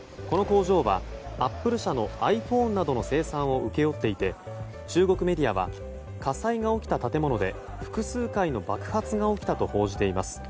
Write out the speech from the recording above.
アップル社のｉＰｈｏｎｅなどの生産を請け負っていて中国メディアは火災が起きた建物で複数回の爆発が起きたと報じています。